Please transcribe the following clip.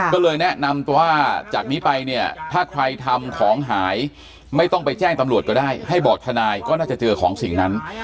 ก็เลยแนะนำตัวว่าจากนี้ไปเนี่ยถ้าใครทำของหายไม่ต้องไปแจ้งตำรวจก็ได้ให้บอกทนายก็น่าจะเจอของสิ่งนั้น